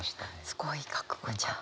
すごい覚悟じゃん。